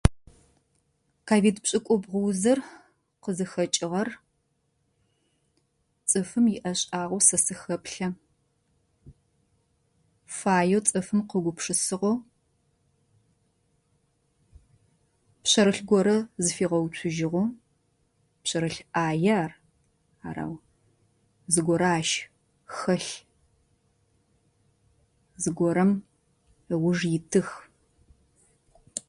Ковид пшӏыкӏубгъу узыр къызыхэкӏыгъэр цӏыфым иӏэшӏагъэу сэ сыхэплъэ. Фаеу цӏыфым къыугупшысыгъу, пшъэрылъ горэ зыфигъэуцужьыгъу. Пшъэрылъ ӏае ар арау зыгорэ ащ хэлъ, зыгорэм ыуж итых.